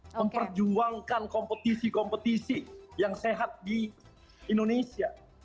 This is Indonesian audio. untuk memperjuangkan kompetisi kompetisi yang sehat di indonesia